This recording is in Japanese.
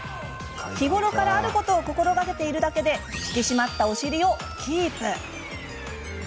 日頃からあることを心がけているだけで引き締まったお尻をキープ。